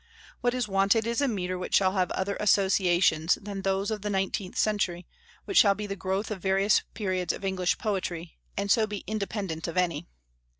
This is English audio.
What is wanted is a metre which shall have other associations than those of the nineteenth century, which shall be the growth of various periods of English poetry, and so be independent of any.